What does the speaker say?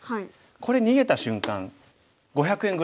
これ逃げた瞬間５００円ぐらいです。